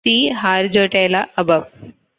See harjoitella above.